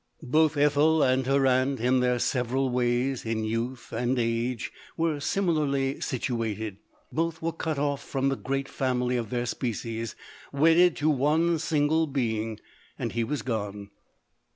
Both Ethel and her aunt, in their several ways, in youth and age, were similarly situated. Both were cut off from the great family of their species ; wedded to one single being, and he was gone.